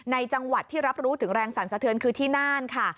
ในจังหวัดที่รับรู้ถึงแรงสรรสะเทือนคือที่น่านค่ะ